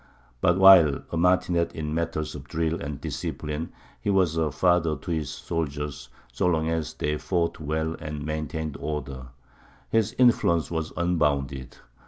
But while a martinet in matters of drill and discipline, he was a father to his soldiers so long as they fought well and maintained order. His influence was unbounded.